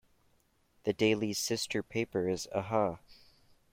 The daily's sister paper is Aha!